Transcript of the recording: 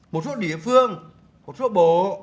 một số địa phương một số bộ